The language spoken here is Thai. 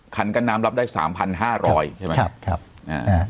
คันกั้นน้ำรับได้สามพันห้าร้อยใช่ไหมครับครับอ่า